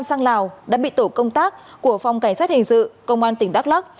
thắng sang lào đã bị tổ công tác của phòng cảnh sát hình sự công an tp hcm